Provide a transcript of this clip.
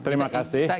terima kasih saya lega